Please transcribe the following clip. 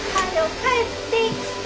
帰ってきて！